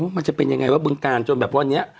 มันจะเป็นยังไงว่าบึงการจนแบบวันนี้